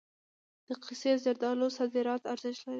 د قیسی زردالو صادراتي ارزښت لري.